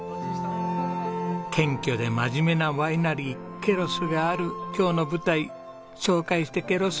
謙虚で真面目なワイナリーケロスがある今日の舞台紹介してケロス。